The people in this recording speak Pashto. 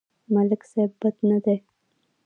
ملک صيب بد نه دی.